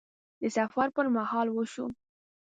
د سفر پر مهال وشو